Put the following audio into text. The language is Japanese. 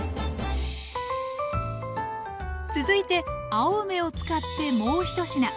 続いて青梅を使ってもう１品。